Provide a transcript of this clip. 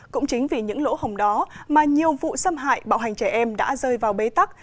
cũng chính vì những lỗ hồng đó mà nhiều vụ xâm hại bạo hành trẻ em đã rơi vào bế tắc